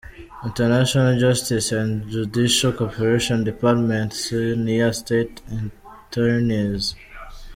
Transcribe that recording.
International Justice and Judicial Cooperation Department: Senior State Attorneys:.